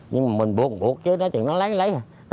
nhưng mà mình buộc buộc chứ nói chuyện nó lấy thì lấy